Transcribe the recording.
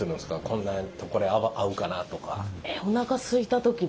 こんなんとこれ合うかなあとか。